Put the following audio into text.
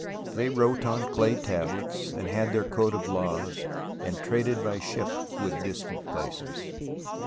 They wrote on clay tablets, and had their code of laws, and traded by ship with distant places.